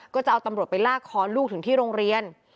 ก็จะเอาตำรวจไปลากคอลูกถึงที่โรงเรียน